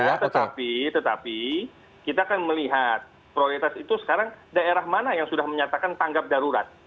di seluruh indonesia tetapi kita akan melihat prioritas itu sekarang daerah mana yang sudah menyatakan tanggap darurat